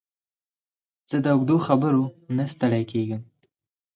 زه د اوږدو خبرو نه ستړی کېږم.